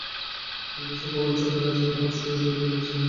দুই বাসের প্রবল চাপে রাজীবের হাত শরীর থেকে বিচ্ছিন্ন হয়ে যায়।